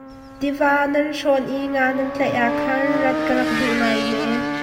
Tiva nan hrawn i nga nan tlaih ah khan rat ka rak duh ngai ve.